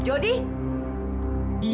nggak mau diinginkan disini